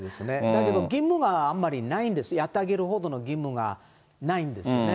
だけど義務があんまりないんです、やってあげるほどの義務がないんですね。